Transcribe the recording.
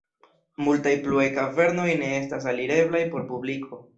Multaj pluaj kavernoj ne estas alireblaj por publiko.